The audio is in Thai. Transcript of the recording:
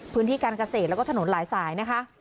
พื้นที่การเกษตรแล้วก็ถนนหลายสายนะคะ